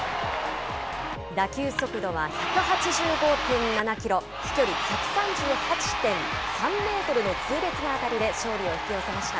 打球速度は１８５．７キロ、飛距離１３８．３メートルの痛烈な当たりで、勝利を引き寄せました。